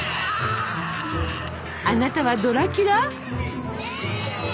あなたはドラキュラ？